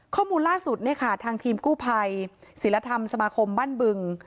ข้อมูลล่าสุดเนี่ยค่ะทางทีมกู้ภัยศิลธรรมสมาคมบ้านบึง